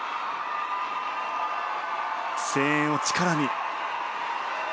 声援を力に。